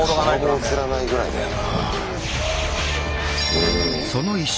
顔も映らないぐらいだよな。